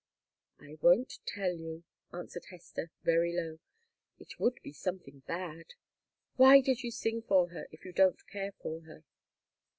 "I won't tell you," answered Hester, very low. "It would be something bad. Why did you sing for her if you don't care for her?"